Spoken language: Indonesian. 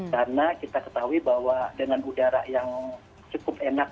karena kita ketahui bahwa dengan udara yang cukup enak